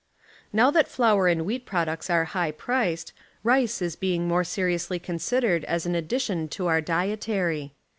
Now that flour and wheat products are high priced, rice is being more seriously considered as an addition to our dietary.